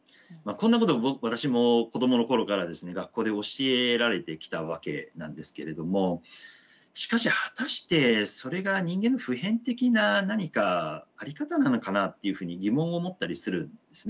こんなことを私も子どもの頃から学校で教えられてきたわけなんですけれどもしかし果たしてそれが人間の普遍的な何か在り方なのかなっていうふうに疑問を持ったりするんですね。